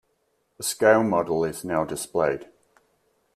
A scale model is now displayed.